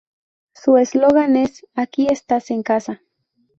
Su eslogan es "Aquí estás en casa".